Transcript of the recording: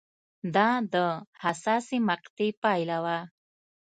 دا د حساسې مقطعې پایله وه